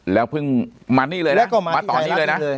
แล้วเพิ่งมานี่เลยนะมาตอนนี้เลยนะแล้วก็มาที่ไทยรัฐนี้เลย